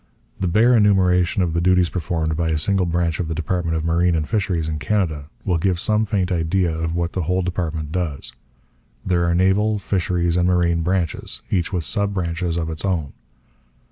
The bare enumeration of the duties performed by a single branch of the department of Marine and Fisheries in Canada will give some faint idea of what the whole department does. There are Naval, Fisheries, and Marine branches, each with sub branches of its own.